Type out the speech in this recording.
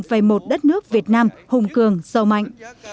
về một đất nước việt nam hùng cường sâu mạnh